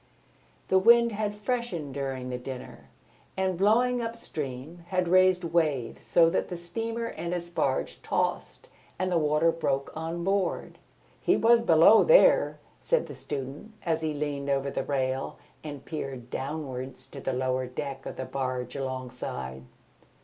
The wind had freshened during the dinner, and, blowing up stream, had raised waves so that the steamer and its barge tossed and the water broke on board. "He was below there," said the student, as he leaned over the rail and peered downwards to the lower deck of the barge alongside.